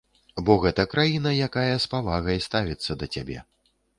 Бо гэта краіна, якая з павагай ставіцца да цябе.